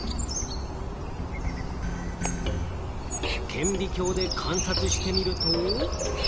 顕微鏡で観察してみると。